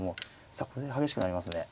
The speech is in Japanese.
さあこれで激しくなりますね